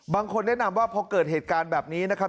บางคนแนะนำว่าพอเกิดเหตุการณ์แบบนี้นะครับ